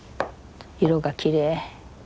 色がきれい。